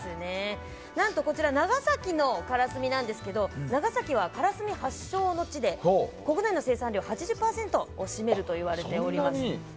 長崎のからすみなんですけど長崎はからすみ発祥の地で国内の生産量の８０％を占めるといわれております。